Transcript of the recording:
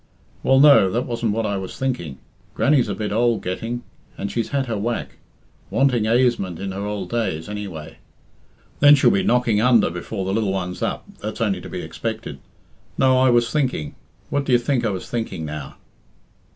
"Well, no, that wasn't what I was thinking. Grannie's a bit ould getting and she's had her whack. Wanting aisement in her ould days, anyway. Then she'll be knocking under before the lil one's up that's only to be expected. No, I was thinking what d'ye think I was thinking now?"